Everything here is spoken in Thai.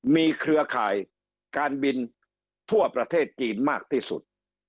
มีเครือข่ายการบินทั่วประเทศจีนมากที่สุด